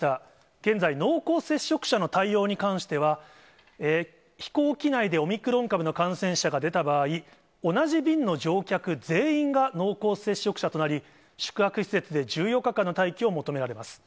現在、濃厚接触者の対応に関しては、飛行機内でオミクロン株の感染者が出た場合、同じ便の乗客全員が濃厚接触者となり、宿泊施設で１４日間の待機を求められます。